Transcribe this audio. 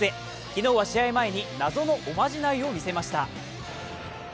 昨日は試合前に謎のおまじないを見せました。